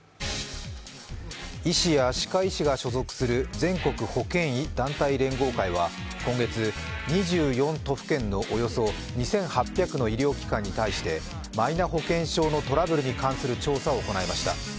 医師や歯科医師が所属する全国保険医団体連合会は今月、２４都府県のおよそ２８００の医療機関に対して、マイナ保険証のトラブルに関する調査を行いました。